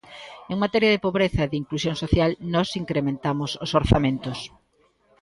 En materia de pobreza e de inclusión social nós incrementamos os orzamentos.